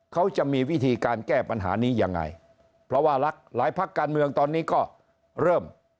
เขาจะมีวิธีการแก้ปัญหานี้ยังไงเพราะว่ารักหลายพักการเมืองตอนนี้ก็เริ่ม